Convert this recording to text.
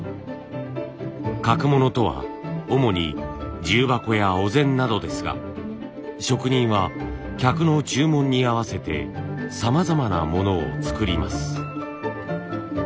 角物とは主に重箱やお膳などですが職人は客の注文に合わせてさまざまなものを作ります。